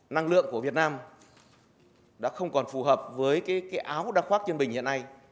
năng lượng của việt nam đã không còn phù hợp với cái áo đặc khoác trên bình hiện nay